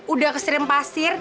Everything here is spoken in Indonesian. udah keserim pasir